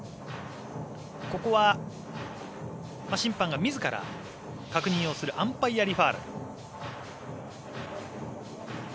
ここは審判が自ら確認をするアンパイアリファーラル。